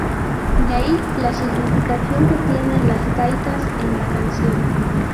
De ahí la significación que tienen las gaitas en la canción.